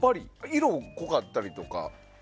色濃かったりとか。